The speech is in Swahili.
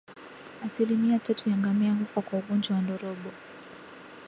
Asilimia tatu ya ngamia hufa kwa ugonjwa wa ndorobo